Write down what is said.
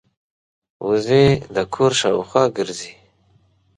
وزې د کور شاوخوا ګرځي